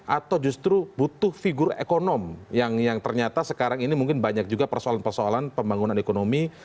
atau justru butuh figur ekonom yang ternyata sekarang ini mungkin banyak juga persoalan persoalan pembangunan ekonomi